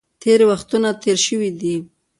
تېرې وختونه تېر شوي دي.